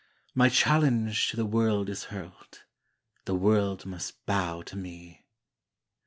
My challenge to the world is hurled; The world must bow to me.